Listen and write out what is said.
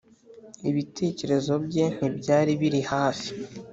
ibitekerezo bye ntibyari biri hafi.